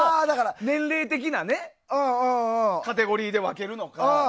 年齢的なカテゴリーで分けるのか。